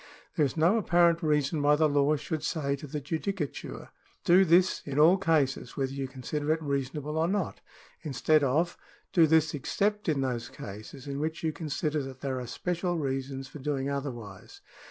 There is no apparent reason why the law should say to the judicature :" Do this in all cases, whether you consider it reasonable or not," in stead of :" Do this except in those cases in which you con sider that there are special reasons for doing otherwise."